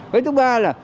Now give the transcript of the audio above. cái thứ ba là